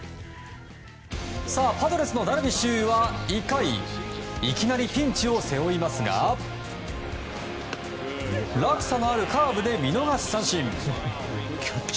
パドレスのダルビッシュ有は１回いきなりピンチを背負いますが落差のあるカーブで見逃し三振。